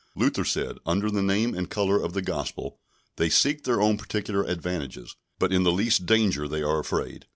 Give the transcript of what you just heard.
Luther said, under the name and colour of the Gospel, they seek their own particular advantages, but in the least danger they are afraid.